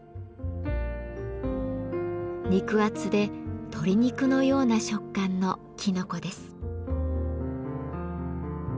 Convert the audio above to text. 肉厚で鶏肉のような食感のきのこです。